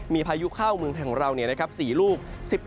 มีพายุเข้าเมืองไทยของเรา๔ลูก